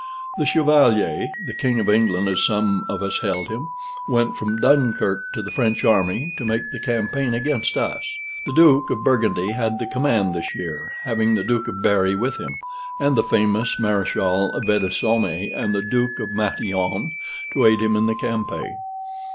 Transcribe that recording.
The Chevalier (the king of England, as some of us held him) went from Dunkirk to the French army to make the campaign against us. The Duke of Burgundy had the command this year, having the Duke of Berry with him, and the famous Mareschal Vendosme and the Duke of Matignon to aid him in the campaign.